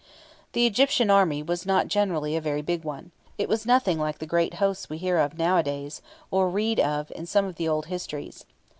The Egyptian army was not generally a very big one. It was nothing like the great hosts that we hear of nowadays, or read of in some of the old histories.